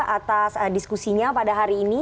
atas diskusinya pada hari ini